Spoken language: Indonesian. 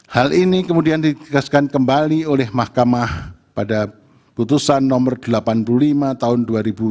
hal ini kemudian ditegaskan kembali oleh mahkamah pada putusan nomor delapan puluh lima tahun dua ribu dua puluh